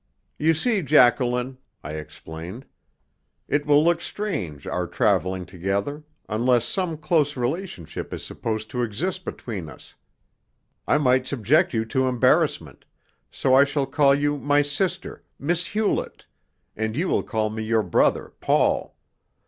"You see, Jacqueline," I explained, "it will look strange our travelling together, unless some close relationship is supposed to exist between us. I might subject you to embarrassment so I shall call you my sister, Miss Hewlett, and you will call me your brother Paul."